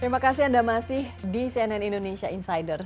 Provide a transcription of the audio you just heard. terima kasih anda masih di cnn indonesia insider